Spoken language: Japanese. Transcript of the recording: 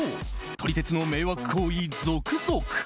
撮り鉄の迷惑行為、続々。